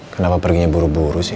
kenapa perginya buru buru sih